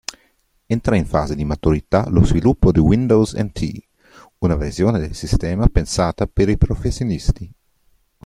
Entra in fase di maturità lo sviluppo di Windows NT, una versione del sistema pensata per i professionisti.